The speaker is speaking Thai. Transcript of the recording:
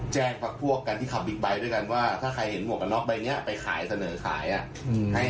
พักพวกกันที่ขับบิ๊กไบท์ด้วยกันว่าถ้าใครเห็นหมวกกันน็อกใบนี้ไปขายเสนอขายอ่ะ